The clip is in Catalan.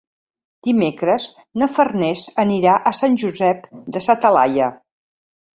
Dimecres na Farners anirà a Sant Josep de sa Talaia.